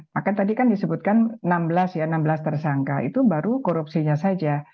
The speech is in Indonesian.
maka tadi kan disebutkan enam belas ya enam belas tersangka itu baru korupsinya saja